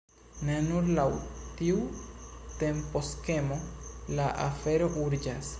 Ne nur laŭ tiu temposkemo la afero urĝas.